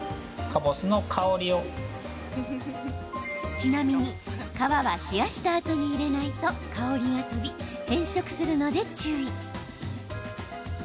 ちなみに皮は冷やしたあとに入れないと香りが飛び変色するので注意。